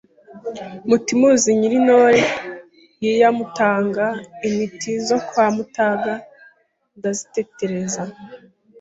Mutimuzi Nyiri i Ntora Yia Mutaga Intiti zo kwa Mutaga ndazitetereza